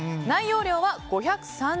内容量は５３０ｇ。